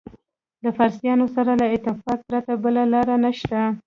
د فارسیانو سره له اتفاق پرته بله لاره نشته.